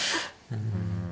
うん。